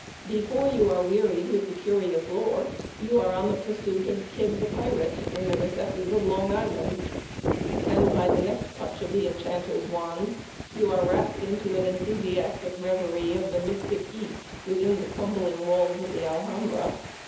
Before you are wearied with the curious lore you are on the pursuit of Kidd, the pirate, in the recesses of Long Island ; and, by the next touch of the enchant er's wand, you are rapt into an enthusiastic reverie of the mystic East within the crum bling walls of the Alhambra.